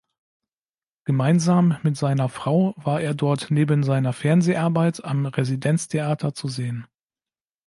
Gemeinsam mit seiner Frau war er dort neben seiner Fernseharbeit am Residenztheater zu sehen.